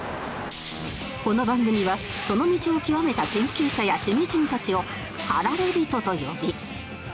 この番組はその道を極めた研究者や趣味人たちを「駆られ人」と呼び